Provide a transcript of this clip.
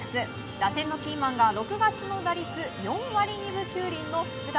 打線のキーマンが６月の打率４割２分９厘の福田。